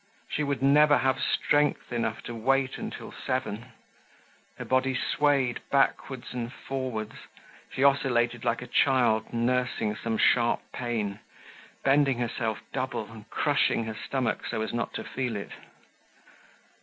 She would never have strength enough to wait until seven. Her body swayed backwards and forwards, she oscillated like a child nursing some sharp pain, bending herself double and crushing her stomach so as not to feel it.